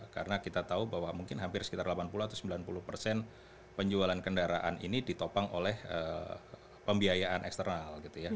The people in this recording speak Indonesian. karena kita tahu bahwa mungkin hampir sekitar delapan puluh atau sembilan puluh penjualan kendaraan ini ditopang oleh pembiayaan eksternal gitu ya